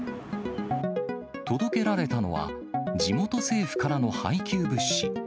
届けられたのは、地元政府からの配給物資。